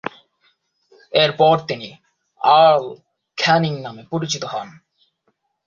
এরপর তিনি Earl Canning নামে পরিচিত হন।